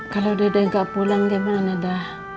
kalau dede nggak pulang gimana deda